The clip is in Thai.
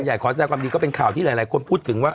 พี่โอ๊คบอกว่าเขินถ้าต้องเป็นเจ้าภาพเนี่ยไม่ไปร่วมงานคนอื่นอะได้